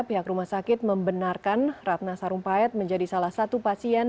pihak rumah sakit membenarkan ratna sarumpayat menjadi salah satu pasien